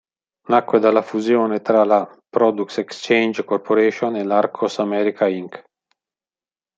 Nacque dalla fusione tra la Products Exchange Corporation e l'Arcos-America Inc.